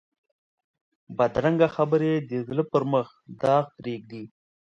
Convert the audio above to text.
بدرنګه خبرې د زړه پر مخ داغ پرېږدي